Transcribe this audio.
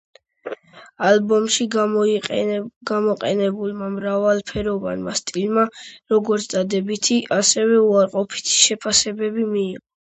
ალბომში გამოყენებულმა მრავალფეროვანმა სტილმა როგორც დადებითი, ასევე უარყოფითი შეფასებები მიიღო.